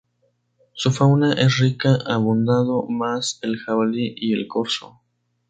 Su fauna es rica, abundando más el jabalí y el corzo.